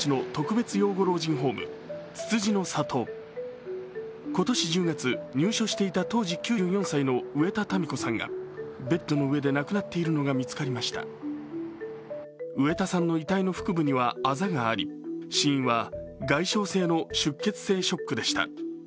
植田さんの遺体の腹部にはあざがあり死因は外傷性の出血性ショックでした。